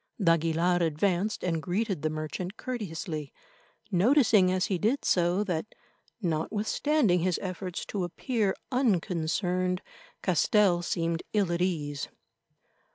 d'Aguilar advanced and greeted the merchant courteously, noticing as he did so that, notwithstanding his efforts to appear unconcerned, Castell seemed ill at ease.